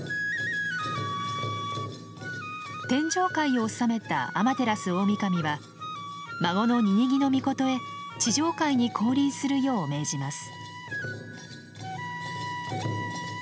天上界を治めた天照大神は孫の瓊瓊杵尊へ地上界に降臨するよう命じます。